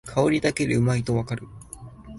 香りだけでうまいとわかる